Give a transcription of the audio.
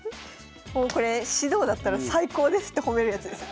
もうこれ指導だったら最高ですって褒めるやつです。